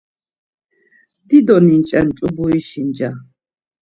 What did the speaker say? Dido ninç̌en ç̌ubrişi nca.